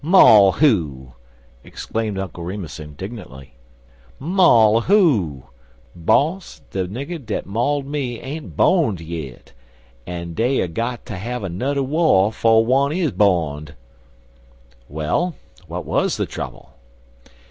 "Maul who?" exclaimed Uncle Remus, indignantly. "Maul who? Boss, de nigger dat mauled me ain't bo'nded yit, an' dey er got ter have anudder war 'fo one is bo'nded." "Well, what was the trouble?"